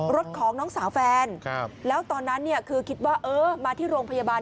รถของน้องสาวแฟนแล้วตอนนั้นเนี่ยคือคิดว่าเออมาที่โรงพยาบาล